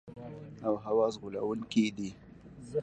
او حواس غولونکي دي.